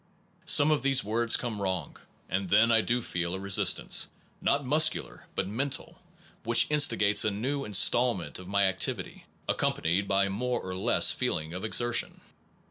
Some of the words come wrong, and then I do feel a resistance, not muscular but mental, which instigates a new instalment of my activity, accompanied by more or less feeling of exertion.